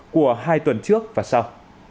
của hai tuần trước và sau